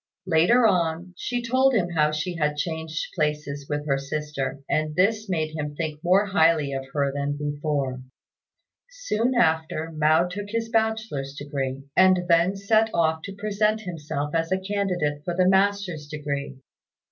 Later on, she told him how she had changed places with her sister, and this made him think more highly of her than before. Soon after Mao took his bachelor's degree, and then set off to present himself as a candidate for the master's degree.